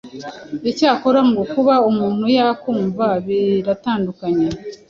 Icyakora ngo kuba umuntu yakumva biratandukanye